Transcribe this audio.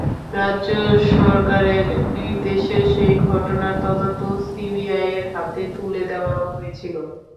রাজ্য সরকারের নির্দেশে সেই ঘটনার তদন্ত সিবিআইয়ের হাতে তুলে দেওয়া হয়েছিল।